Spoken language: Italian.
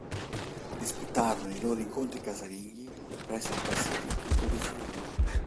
Disputarono i loro incontri casalinghi presso il Pacific Coliseum.